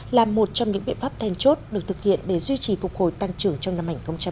là một trong những biện pháp thanh chốt được thực hiện để duy trì phục hồi tăng trưởng trong năm hai nghìn hai mươi